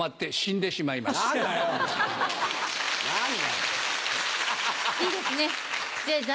いいですねじゃ